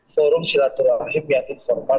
forum silaturahim yang informal